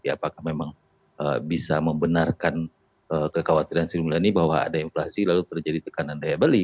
apakah memang bisa membenarkan kekhawatiran sri mulyani bahwa ada inflasi lalu terjadi tekanan daya beli